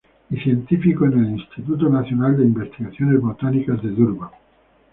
Y científico en el "Instituto Nacional de Investigaciones Botánicos de Durban".